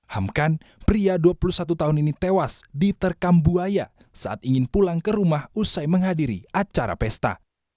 hamkan pria dua puluh satu tahun ini tewas diterkam buaya saat ingin pulang ke rumah usai menghadiri acara pesta